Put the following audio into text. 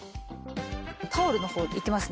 タオルの方いきますね。